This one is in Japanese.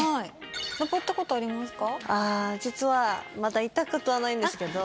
のぼったことありますか？